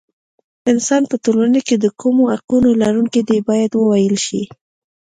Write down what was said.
انسان په ټولنه کې د کومو حقونو لرونکی دی باید وویل شي.